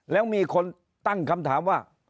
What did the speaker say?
แล้วมีคนตั้งคำถามว่า